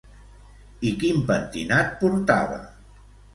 I quin pentinat portava?